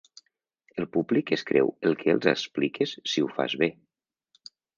El públic es creu el que els expliques si ho fas bé.